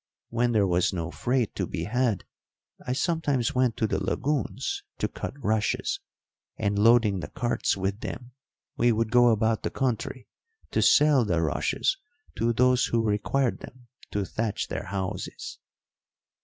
When there was no freight to be had I sometimes went to the lagoons to cut rushes, and, loading the carts with them, we would go about the country to sell the rushes to those who required them to thatch their houses.